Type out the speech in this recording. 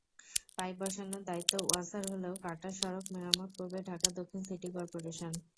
Pipe বসানোর দায়িত্ব ওয়াসার হলেও কাটা সড়ক মেরামত করবে ঢাকা দক্ষিণ সিটি করপোরেশন।